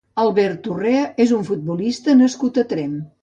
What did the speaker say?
Albert Urrea és un futbolista nascut a Tremp.